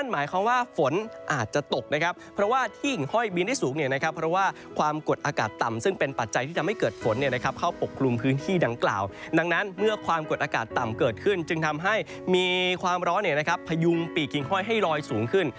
มีความร้อนเนี่ยนะครับพยุงปีกหญิงห้อยให้รอยสูงขึ้น